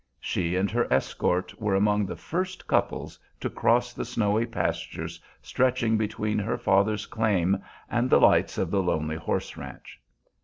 She and her escort were among the first couples to cross the snowy pastures stretching between her father's claim and the lights of the lonely horse ranch.